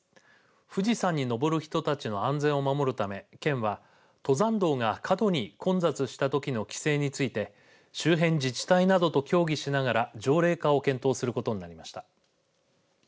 富士山に登る人たちの安全を守るため県は登山道が過度に混雑したときの規制について周辺自治体などと協議しながら条例化を検討することになりました。